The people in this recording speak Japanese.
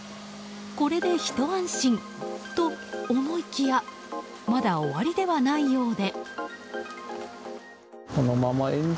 これで、ひと安心と思いきやまだ、終わりではないようで。